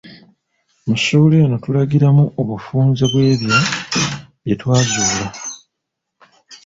Mu ssuula eno, tulagiramu obufunze bw’ebyo bye twazuula.